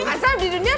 azab di dunia apa